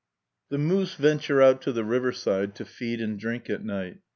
The moose venture out to the riverside to feed and drink at night.